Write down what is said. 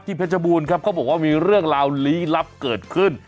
เพชรบูรณ์ครับเขาบอกว่ามีเรื่องราวลี้ลับเกิดขึ้น